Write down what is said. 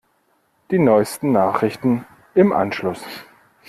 Die neusten Nachrichten im Anschluss.